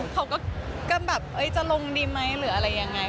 เขาก็แบบจะลงดีไหมหรืออะไรยังไง